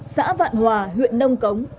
xã vạn hòa huyện nông cống